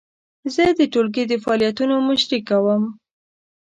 زه د ټولګي د فعالیتونو مشري کوم.